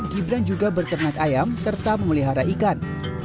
gibran juga berternak ayam serta memelihara ikan